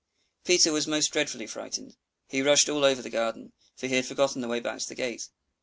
Peter was most dreadfully frightened; he rushed all over the garden, for he had forgotten the way back to the gate.